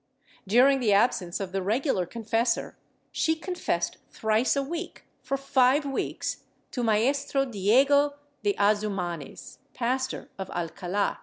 During the absence of the regular confessor, she confessed thrice a week for five weeks to Maestro Diego de Azumanes, pastor of Alcala.